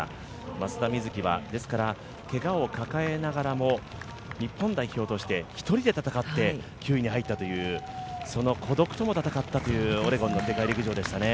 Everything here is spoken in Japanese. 松田瑞生は、けがをしながらも、１人で戦って９位に入ったという、孤独とも戦ったというオレゴンの世界陸上でしたね。